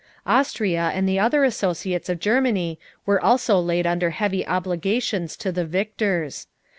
Austria and the other associates of Germany were also laid under heavy obligations to the victors.